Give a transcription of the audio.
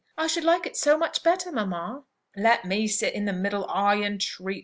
"I should like it so much better, mamma!" "Let me sit in the middle, I entreat!"